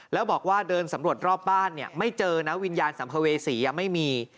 แล้วบอกว่าเดินสำรวจรอบบ้านเนี่ยไม่เจอนะวิญญาณสัมภเวษียังไม่มี